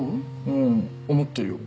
うん思ってるよ。